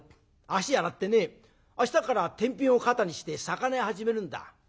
足洗ってね明日からてんびんを肩にして魚屋始めるんだ。